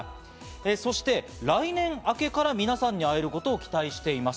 そして来年明けから皆さんに会えることを期待しています。